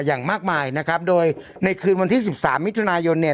อย่างมากมายนะครับโดยในคืนวันที่สิบสามมิถุนายนเนี่ย